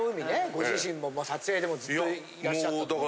ご自身も撮影でもずっといらっしゃったと思いますけど。